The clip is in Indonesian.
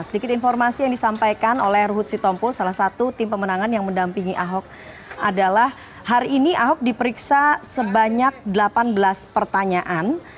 sedikit informasi yang disampaikan oleh ruhut sitompul salah satu tim pemenangan yang mendampingi ahok adalah hari ini ahok diperiksa sebanyak delapan belas pertanyaan